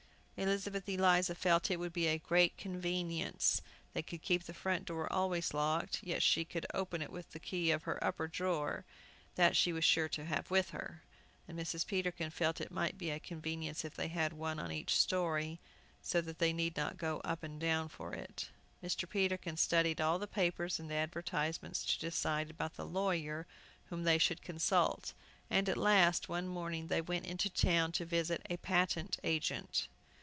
Elizabeth Eliza felt it would be a great convenience, they could keep the front door always locked, yet she could open it with the key of her upper drawer; that she was sure to have with her. And Mrs. Peterkin felt it might be a convenience if they had one on each story, so that they need not go up and down for it. Mr. Peterkin studied all the papers and advertisements, to decide about the lawyer whom they should consult, and at last, one morning, they went into town to visit a patent agent.